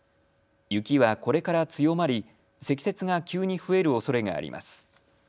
雪はこれから強まり積雪が急に増えるおそれがあります。